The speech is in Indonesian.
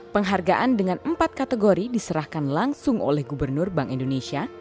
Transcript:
penghargaan dengan empat kategori diserahkan langsung oleh gubernur bank indonesia